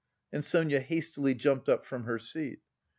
And Sonia hastily jumped up from her seat.